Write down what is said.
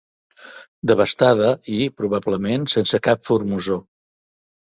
Devastada i, probablement, sense cap formosor.